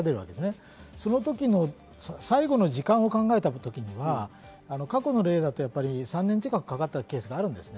その時の最後の時間を考えたときには過去の例だと３年近くかかったケースがあるんです。